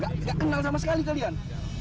gak kenal sama sekali kalian